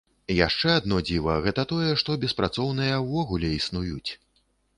Яшчэ адно дзіва, гэта тое, што беспрацоўныя ўвогуле існуюць.